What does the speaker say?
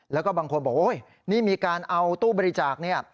แล้วก็บางคนบอกโอ๊ยนี่มีการเอาตู้บริจาคเนี่ย